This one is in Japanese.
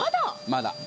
まだ。